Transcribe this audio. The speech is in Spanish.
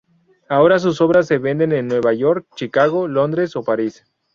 Ahora, sus obras se venden en Nueva York, Chicago, Londres o París.